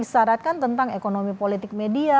ini bisa ditaratkan tentang ekonomi politik media